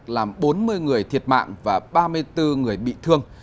làm bốn mươi người thiệt mạng và ba mươi bốn người bị thương